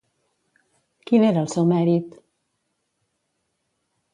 Quin era el seu mèrit?